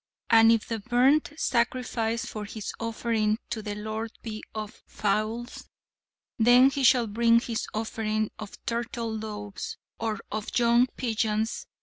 'And if the burnt sacrifice for his offering to the Lord be of fowls, then he shall bring his offering of turtle doves, or of young pigeons.